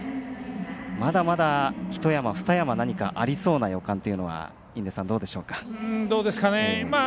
まだまだひと山ふた山ありそうな予感というのは印出さん、どうでしょうか。